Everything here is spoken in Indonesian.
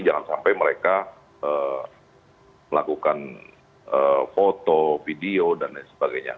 jangan sampai mereka melakukan foto video dan lain sebagainya